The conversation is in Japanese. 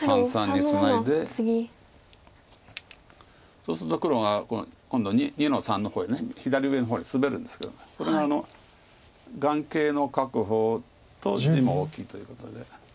そうすると黒が今度２の三の方へ左上の方へスベるんですけどそれが眼形の確保と地も大きいということで。